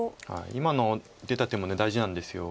今の出た手も大事なんです。